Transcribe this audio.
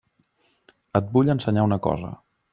Et vull ensenyar una cosa.